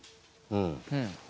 うん。